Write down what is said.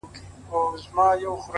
د شېخانو د ټگانو، د محل جنکۍ واوره،